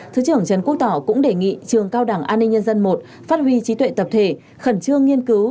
thứ trưởng trần quốc tỏ cũng đề nghị trường cao đảng an ninh nhân dân i phát huy trí tuệ tập thể khẩn trương nghiên cứu